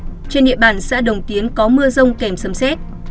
trên địa bàn xã đồng tiến có mưa rông kèm sấm xét